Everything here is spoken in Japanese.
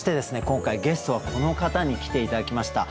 今回ゲストはこの方に来て頂きました。